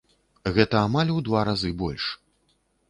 Гэта амаль у два разы больш!